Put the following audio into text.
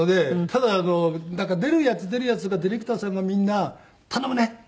ただ出るヤツ出るヤツがディレクターさんがみんな「頼むね。